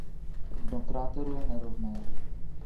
Dno kráteru je nerovné.